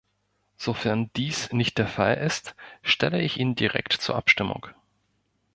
Sofern dies nicht der Fall ist, stelle ich ihn direkt zur Abstimmung.